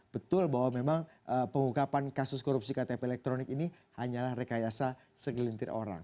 betul bahwa memang pengungkapan kasus korupsi ktp elektronik ini hanyalah rekayasa segelintir orang